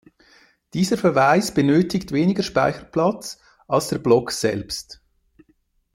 Dieser Verweis benötigt weniger Speicherplatz, als der Block selbst.